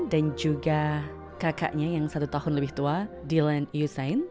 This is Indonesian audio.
dan juga kakaknya yang satu tahun lebih tua dylan usain